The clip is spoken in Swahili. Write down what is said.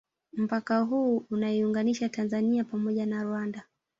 Mpaka huu unaiunganisha Tanzania pamoja na Rwanda